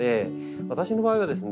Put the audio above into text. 私の場合はですね